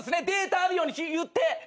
データあるように言って。